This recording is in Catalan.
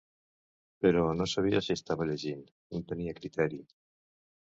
Però no sabia si estava llegint, no tenia criteri.